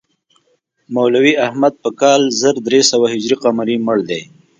مولوي احمد په کال زر درې سوه هجري قمري مړ دی.